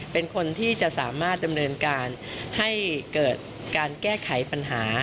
เป็นคนที่จะสามารถดำเนินการให้เกิดการแก้ไขปัญหา